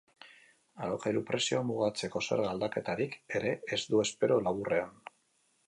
Alokairu prezioa mugatzeko zerga aldaketarik ere ez du espero laburrean.